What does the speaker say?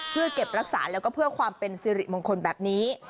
เพื่อเก็บรักษาแล้วก็เพื่อความเป็นสิริมงคลแบบนี้